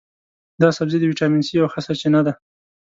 دا سبزی د ویټامین سي یوه ښه سرچینه ده.